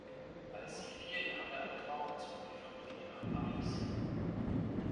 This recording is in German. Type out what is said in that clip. Als sie vier Jahre alt war, zog die Familie nach Paris.